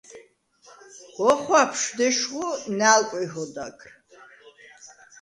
ოხვაფშვდ ეშხუ, ნალკვიჰვ ოდაგრ.